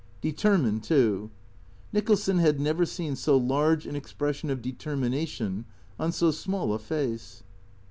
Determined, too. Nicholson had never seen so large an ex pression of determination on so small a face.